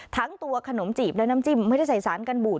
ทั้งตัวขนมจีบและน้ำจิ้มไม่ได้ใส่สารกันบูด